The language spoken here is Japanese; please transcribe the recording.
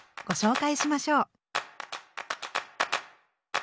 ご紹介しましょう。